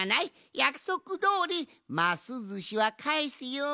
やくそくどおりますずしはかえすよん。